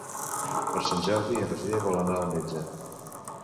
Per Sant Jordi en Roger vol anar al metge.